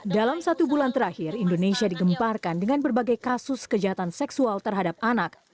dalam satu bulan terakhir indonesia digemparkan dengan berbagai kasus kejahatan seksual terhadap anak